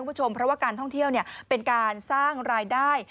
เพราะว่าการท่องเที่ยวเป็นการสร้างรายได้